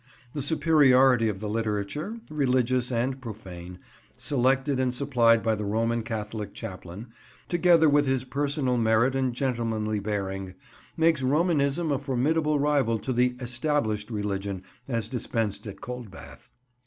The superiority of the literature—religious and profane—selected and supplied by the Roman Catholic chaplain, together with his personal merit and gentlemanly bearing, makes Romanism a formidable rival to the "Established" Religion as dispensed at Coldbath.